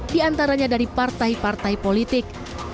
di antaranya dari partai partai politik